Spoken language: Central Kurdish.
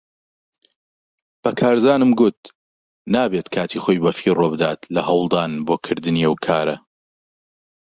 بە کارزانم گوت نابێت کاتی خۆی بەفیڕۆ بدات لە هەوڵدان بۆ کردنی ئەو کارە.